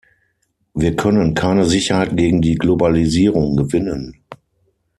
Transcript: Wir können keine Sicherheit gegen die Globalisierung gewinnen.